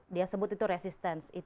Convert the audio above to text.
dia sebut itu resistance